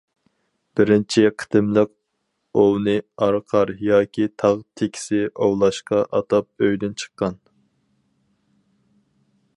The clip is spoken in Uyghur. بىرىنچى قېتىملىق ئوۋنى ئارقار، ياكى تاغ تېكىسى ئوۋلاشقا ئاتاپ ئۆيدىن چىققان.